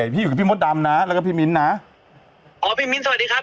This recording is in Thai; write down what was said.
พี่อยู่กับพี่มดดำนะแล้วก็พี่มิ้นนะอ๋อพี่มิ้นสวัสดีครับ